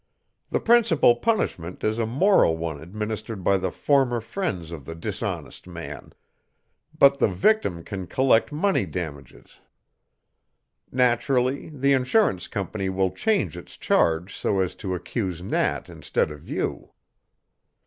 The principal punishment is a moral one administered by the former friends of the dishonest man, but the victim can collect money damages. Naturally the insurance company will change its charge so as to accuse Nat instead of you.